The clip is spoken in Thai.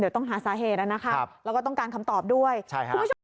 เดี๋ยวต้องหาสาเหตุแล้วนะครับเราก็ต้องการคำตอบด้วยคุณผู้ชม